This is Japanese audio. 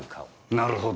なるほど。